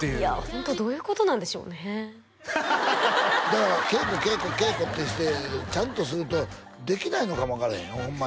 ホントどういうことなんでしょうねだから稽古稽古稽古ってしてちゃんとするとできないのかも分からへんよホンマ